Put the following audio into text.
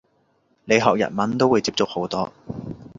你學日文都會接觸好多